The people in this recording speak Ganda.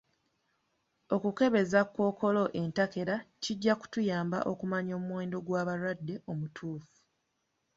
Okukebeza kkookolo entakera kija kutuyamba okumanya omuwendo g'wabalwadde omutuufu